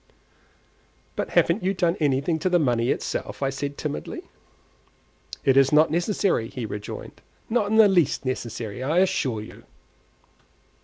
"But haven't you done anything to the money itself?" said I, timidly. "It is not necessary," he rejoined; "not in the least necessary, I assure you."